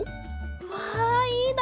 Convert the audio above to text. うわいいな！